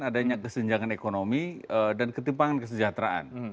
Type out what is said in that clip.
adanya kesenjangan ekonomi dan ketimpangan kesejahteraan